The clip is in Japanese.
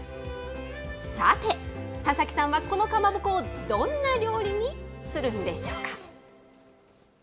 さて、田崎さんはこのかまぼこをどんな料理にするんでしょうか。